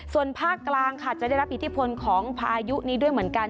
ส่วนภาคกลางค่ะจะได้รับอิทธิพลของพายุนี้ด้วยเหมือนกัน